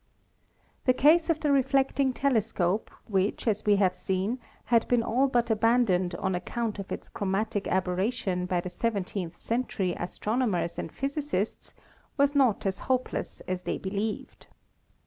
The case of the refracting telescope, which as we have seen had been all but abandoned on account of its chro matic aberration by the seventeenth century astronomers and physicists, was not as hopeless as they believed.